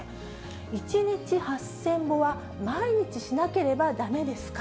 １日８０００歩は、毎日しなければだめですか？